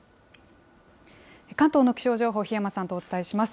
関東の気象情報、檜山さんとお伝えします。